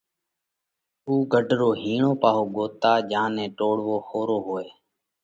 اُو گھڍ رو هِيڻو پاهو ڳوتتا جيا نئہ ٽوڙوو ۿورو هوئہ۔